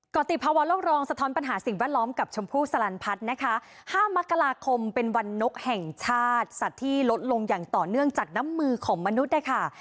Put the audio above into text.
กรติภาวะโลกรองสะท้อนปัญหาสิ่งแวดล้อมกับชมพู่สลันพัฒน์นะคะ๕มกราคมเป็นวันนกแห่งชาติสัตว์ที่ลดลงอย่างต่อเนื่องจากน้ำมือของมนุษย์นะคะ